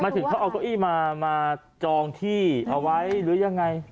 ถึงเขาเอาเก้าอี้มาจองที่เอาไว้หรือยังไง